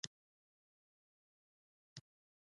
قضیې تخصصي کتنه نه شوې.